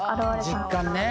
実感ね。